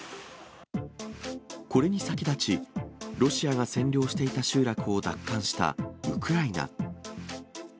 これに先立ち、ロシアが占領していた集落を奪還したウクライナ。